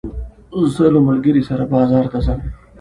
زه له ملګري سره بازار ته ځم.